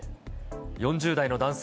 ４０代の男性